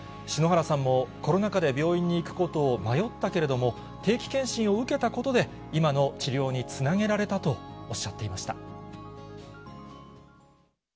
篠原さんも、コロナ禍で病院に行くことを迷ったけれども、定期健診を受けたことで、今の治療につなげられたとおっしゃっていました。